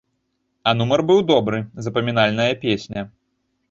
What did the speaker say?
А нумар быў добры, запамінальная песня.